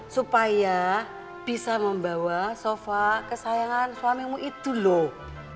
supaya bisa membawa sofa kesayangan suamimu itu loh